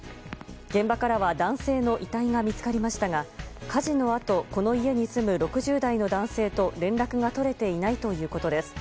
現場からは男性の遺体が見つかりましたが火事のあと、この家に住む６０代の男性と連絡が取れていないということです。